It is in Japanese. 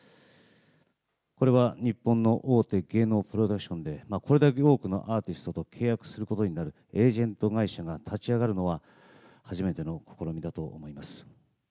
これは日本の大手芸能プロダクションでこれだけ多くのアーティストと契約することになるエージェント会社が立ち上がるのは、初めての試みだと思います。